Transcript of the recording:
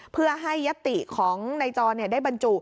เพื่อให้ยัตติของนายจรได้บรรจุ